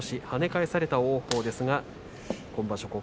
跳ね返された王鵬ですが今場所